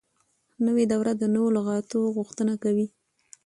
نوې دوره د نوو لغاتو غوښتنه کوي.